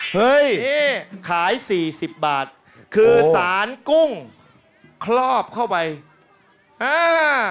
เฮ้ยขายสี่สิบบาทคือสารกุ้งครอบเข้าไปอ่า